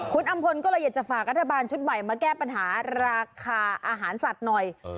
คุณอำพลก็เลยอยากจะฝากรัฐบาลชุดใหม่มาแก้ปัญหาราคาอาหารสัตว์หน่อย